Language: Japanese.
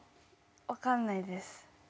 分かんないです。